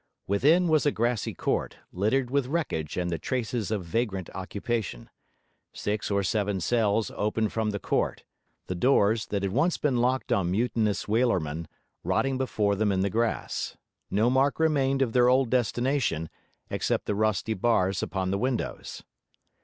Within was a grassy court, littered with wreckage and the traces of vagrant occupation. Six or seven cells opened from the court: the doors, that had once been locked on mutinous whalermen, rotting before them in the grass. No mark remained of their old destination, except the rusty bars upon the windows.